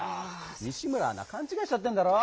西村アナかんちがいしちゃってんだろ！